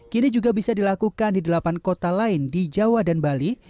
kini juga bisa dilakukan di delapan kota lain di jawa dan bali